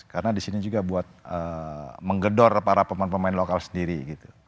karena di sini juga buat menggedor para pemain pemain lokal sendiri gitu